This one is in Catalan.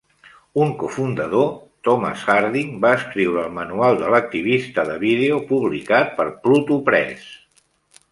Un cofundador, Thomas Harding, va escriure el manual de l'activista de vídeo publicat per Pluto Press.